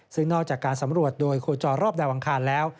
ซึ่งนอกจากการสำรวจโดยโคจรรอบดาวอังคารแล้ว